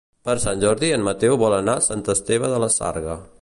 Per Sant Jordi en Mateu vol anar a Sant Esteve de la Sarga.